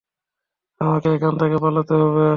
আমাকে এখান থেকে পালাতে হবে।